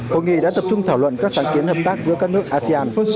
hội nghị đã tập trung thảo luận các sáng kiến hợp tác giữa các nước asean